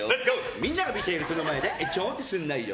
みんなが見ている前でちょんとするなよ。